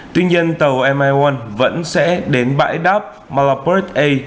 tuy nhiên tàu iam một vẫn sẽ đến bãi đáp malabarite a